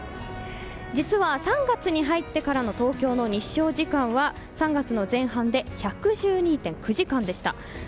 実は、３月に入ってからの東京の日照時間は３月の前半で１１２．９時間でした。